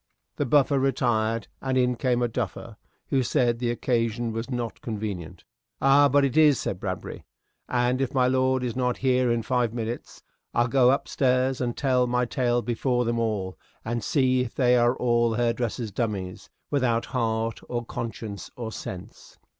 The buffer retired, and in came a duffer who said the occasion was not convenient. "Ay, but it is," said Bradbury, "and if my lord is not here in five minutes, I'll go up stairs and tell my tale before them all, and see if they are all hair dressers' dummies, without heart or conscience or sense."